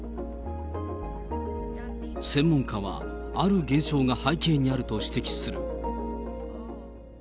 専門家は、ある現象が背景にあると指摘する。